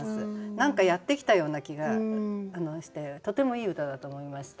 何かやってきたような気がしてとてもいい歌だと思いました。